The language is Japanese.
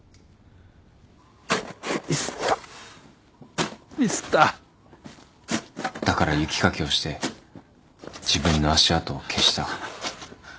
ミスったミスっただから雪かきをして自分の足跡を消した。